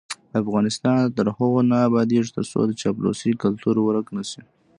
افغانستان تر هغو نه ابادیږي، ترڅو د چاپلوسۍ کلتور ورک نشي.